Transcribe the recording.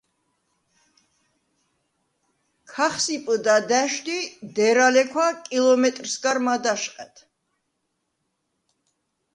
ქახსიპჷდ ა და̈შვდ ი დერალექვა კილომეტრს გარ მად’ აშყა̈დ.